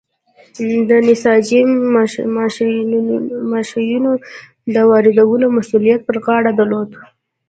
د نساجۍ ماشینونو د واردولو مسوولیت پر غاړه درلود.